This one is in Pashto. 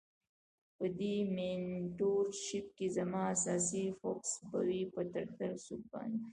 په دی مینټور شیپ کی زما اساسی فوکس به وی په ټرټل سوپ باندی.